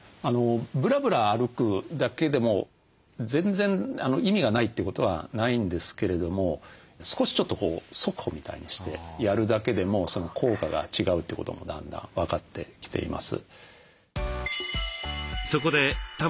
ブラブラ歩くだけでも全然意味がないということはないんですけれども少しちょっと速歩みたいにしてやるだけでも効果が違うということもだんだん分かってきています。